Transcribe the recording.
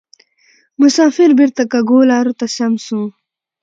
مسافر بیرته کږو لارو ته سم سو